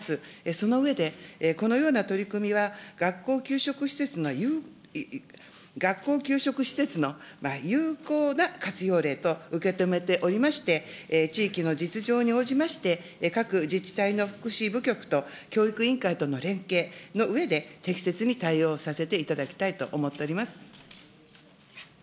その上で、このような取り組みは学校給食施設の有効な活用例と受け止めておりまして、地域の実情に応じまして、各自治体の福祉部局と教育委員会との連携のうえで、適切に対応させていただきたいと思っております。